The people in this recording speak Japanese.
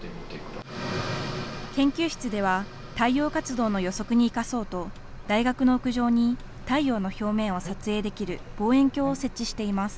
研究室では太陽活動の予測に生かそうと大学の屋上に太陽の表面を撮影できる望遠鏡を設置しています。